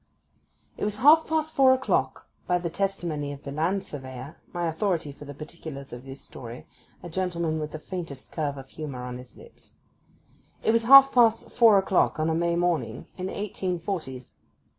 IT was half past four o'clock (by the testimony of the land surveyor, my authority for the particulars of this story, a gentleman with the faintest curve of humour on his lips); it was half past four o'clock on a May morning in the eighteen forties.